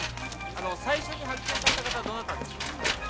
最初に発見された方はどなたですか？